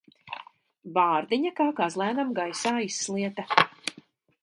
Bārdiņa kā kazlēnam gaisā izslieta.